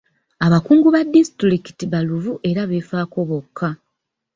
Abakungu ba disitulikiti baluvu era beefaako bokka.